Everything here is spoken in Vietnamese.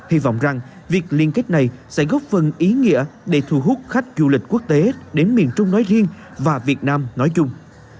hy vọng rằng việc liên kết này sẽ góp phần ý nghĩa để thu hút khách du lịch quốc tế đến miền trung nói riêng và việt nam nói chung